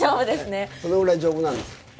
そのぐらい丈夫なんです。